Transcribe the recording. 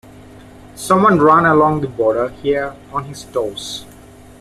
Some one ran along the border here on his toes.